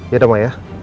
yaudah ma ya